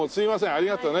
ありがとうね。